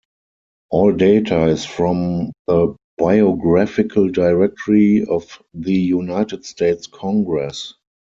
All data is from the "Biographical Directory of the United States Congress".